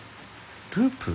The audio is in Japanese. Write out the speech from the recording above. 『ループ』？